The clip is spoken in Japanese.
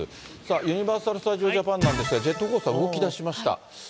ユニバーサル・スタジオ・ジャパンなんですが、ジェットコースター、動きだしました。